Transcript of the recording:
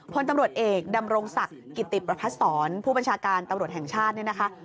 พลตำรวจเอกดำรงศักดิ์กิติประพัทธ์ศรผู้บัญชาการตำรวจแห่งชาติเนี่ยนะคะ